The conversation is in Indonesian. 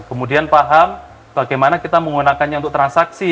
kemudian paham bagaimana kita menggunakannya untuk transaksi